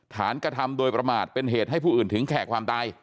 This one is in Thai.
กระทำโดยประมาทเป็นเหตุให้ผู้อื่นถึงแขกความตาย